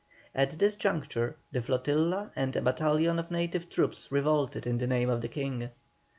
At this juncture the flotilla and a battalion of native troops revolted in the name of the King.